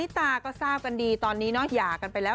ตอนนี้เนาะอย่างานไปแล้ว